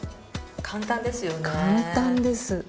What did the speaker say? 簡単ですよね。